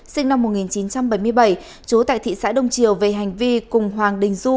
sinh năm một nghìn chín trăm bảy mươi bảy chú tại thị xã đông triều về hành vi cùng hoàng đình du